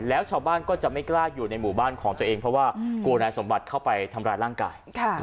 แล้วชาวบ้านก็จะไม่กล้าอยู่ในหมู่บ้านของตัวเองเพราะว่ากลัวนายสมบัติเข้าไปทำร้ายร่างกาย